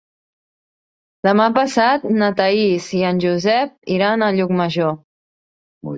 Demà passat na Thaís i en Josep iran a Llucmajor.